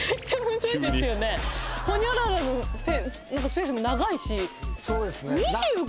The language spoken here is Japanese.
ホニャララのスペースも長いし。